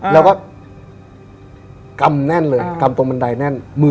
แล้วก็กำแน่นเลยกำตรงบันไดแน่น